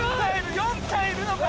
４体いるのか？